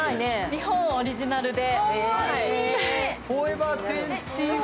日本オリジナルで。